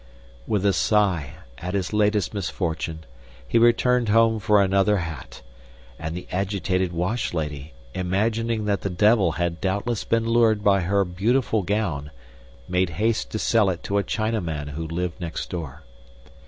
With a sigh at his latest misfortune he returned home for another hat, and the agitated wash lady, imagining that the devil had doubtless been lured by her beautiful gown, made haste to sell it to a Chinaman who lived next door.